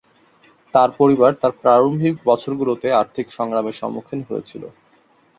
তার পরিবার তার প্রারম্ভিক বছরগুলোতে আর্থিক সংগ্রামের সম্মুখীন হয়েছিল।